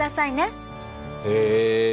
へえ。